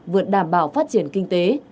vượt đảm bảo phát triển kinh tế